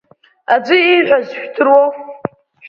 Аӡәы ииҳәаз жәдыруоу?